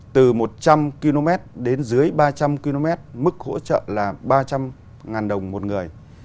từ một trăm linh km đến dưới ba trăm linh km mức hỗ trợ là ba trăm linh đồng một người